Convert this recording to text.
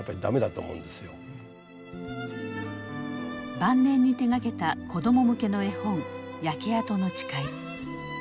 晩年に手がけた子供向けの絵本「焼けあとのちかい」。